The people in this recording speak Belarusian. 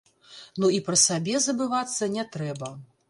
Ну і пра сабе забывацца не трэба.